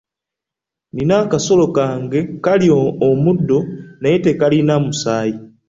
Nina akasolo kange kalya omuddo naye tekalina musaayi.